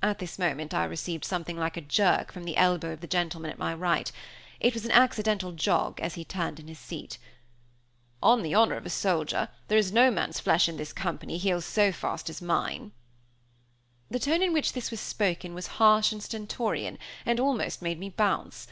At this moment I received something like a jerk from the elbow of the gentleman at my right. It was an accidental jog, as he turned in his seat. "On the honor of a soldier, there is no man's flesh in this company heals so fast as mine." The tone in which this was spoken was harsh and stentorian, and almost made me bounce.